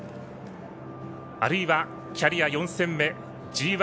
あるいは、キャリア４戦目ＧＩ